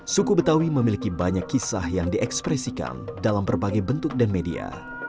suku betawi memiliki banyak kisah yang diekspresikan dalam berbagai bentuk dan media